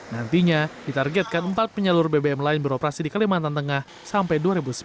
nantinya ditargetkan empat penyalur bbm lain beroperasi di kalimantan tengah sampai dua ribu sembilan belas